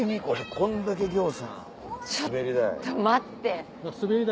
こんだけぎょうさん滑り台。